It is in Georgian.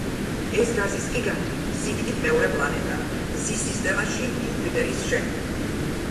ეს გაზის გიგანტი სიდიდით მეორე პლანეტაა მზის სისტემაში იუპიტერის შემდეგ.